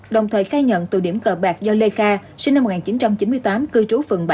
đồng thời khai nhận tụ điểm cờ bạc do lê kha sinh năm một nghìn chín trăm chín mươi tám cư trú phường bảy